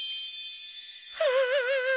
はあ。